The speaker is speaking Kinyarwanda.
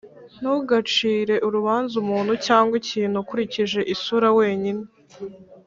ntugacire urubanza umuntu cyangwa ikintu ukurikije isura wenyine